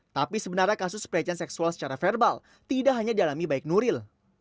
tapi sebenarnya kasus pelecehan seksual secara verbal tidak hanya dialami baik nuril